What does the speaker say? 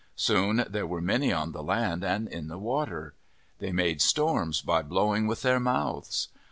Soon there were many on the land and in the water. They made storms by blowing with their mouths.